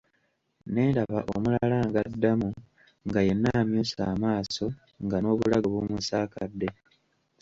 Ne ndaba omulala ng'addamu nga yenna amyuse mu maaso, nga n'obulago bumusaakadde.